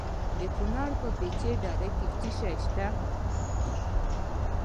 د کونړ په پيچ دره کې څه شی شته؟